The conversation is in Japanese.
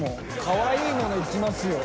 かわいいものいきますよ。